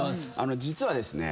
実はですね。